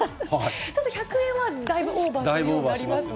ちょっと１００円はだいぶオーバーするようになりましたね。